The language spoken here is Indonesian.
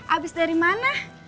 abis dari mana